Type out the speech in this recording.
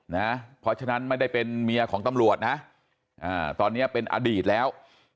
นะเพราะฉะนั้นไม่ได้เป็นเมียของตำรวจนะตอนนี้เป็นอดีตแล้ว